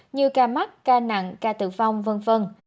như ca mắc ca nặng ca tử vong v v